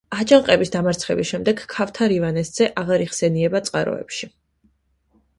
აჯანყების დამარცხების შემდეგ ქავთარ ივანეს ძე აღარ იხსენიება წყაროებში.